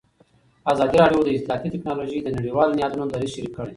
ازادي راډیو د اطلاعاتی تکنالوژي د نړیوالو نهادونو دریځ شریک کړی.